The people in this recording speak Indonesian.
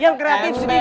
yang gratis sedikit